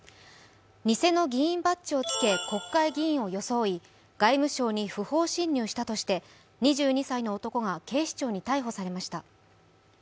偽の議員バッジをつけ国会議員を装い外務省に不法侵入したとして２２歳の男が警視庁に逮捕されました。